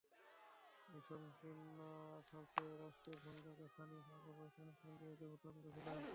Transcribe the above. তিনি সংকীর্ণ স্বার্থে রাষ্ট্রের ভূমিকাকে স্থানীয় সরকার প্রতিষ্ঠানের সঙ্গে একীভূত করে ফেলেন।